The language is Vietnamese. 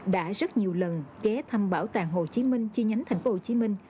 đã rất nhiều lần ké thăm bảo tàng hồ chí minh chi nhánh thành phố chiến bắc